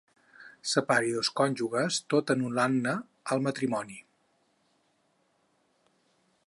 Separi dos cònjuges tot anul·lant-ne el matrimoni.